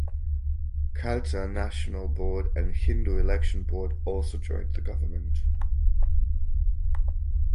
Khalsa National Board and Hindu Election Board also joined the government.